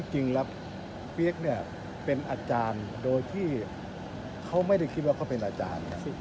จริงแล้วเปี๊ยกเนี่ยเป็นอาจารย์โดยที่เขาไม่ได้คิดว่าเขาเป็นอาจารย์